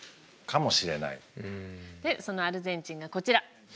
そのアルゼンチンがこちら。